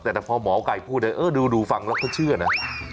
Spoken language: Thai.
แต่พอหมอไก่พูดดูฟังแล้วก็เชื่อนะ